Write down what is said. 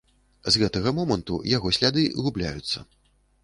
З гэтага моманту яго сляды губляюцца.